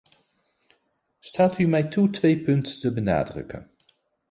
Staat u mij toe twee punten te benadrukken.